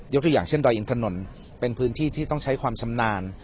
ตัวอย่างเช่นดอยอินถนนเป็นพื้นที่ที่ต้องใช้ความชำนาญ